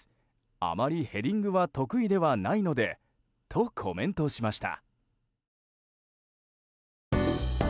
あまりヘディングは得意ではないのでとコメントしました。